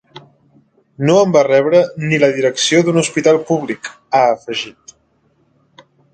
No em va rebre ni la direcció d’un hospital públic, ha afegit.